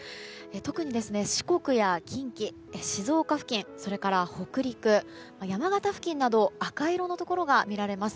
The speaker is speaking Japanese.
特に四国や近畿、静岡付近それから北陸、山形付近など赤色のところが見られます。